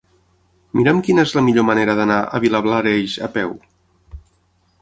Mira'm quina és la millor manera d'anar a Vilablareix a peu.